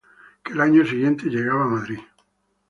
Que al año siguiente llegaba a Madrid.